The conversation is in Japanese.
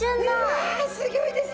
わあすギョいですよ。